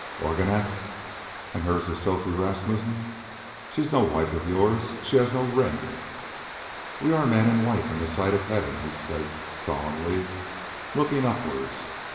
"Ourganeff! and hers is Sophie Ramusine. She is no wife of yours. She has no ring." "We are man and wife in the sight of Heaven," he said solemnly, looking upwards.